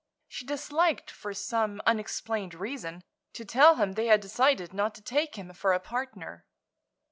She disliked, for some unexplained reason, to tell him they had decided not to take him for a partner.